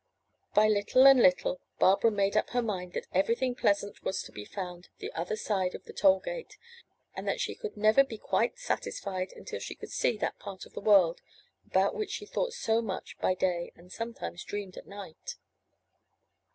By little and little, Barbara made up her mind that everything pleasant was to be found the other side of the toll gate, and that she could never be quite satisfied until she could see that part of the world about which she thought so much by day and sometimes dreamed at night.